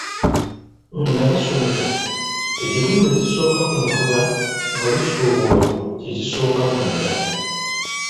Nga basumika, ekitundu ekisooka ku mutuba nga lusuubulwa kye kisooka munda.